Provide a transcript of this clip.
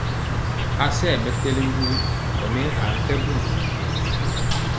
A sayɛ mɛtɛli ndugu ɔ nɛ ankɛ mbum.